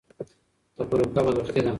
تفرقه بدبختي ده.